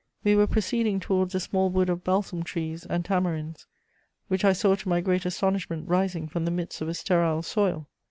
We were proceeding towards a small wood of balsam trees and tamarinds, which I saw to my great astonishment rising from the midst of a sterile soil.